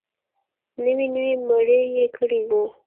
نوې نوي مړي يې کړي وو.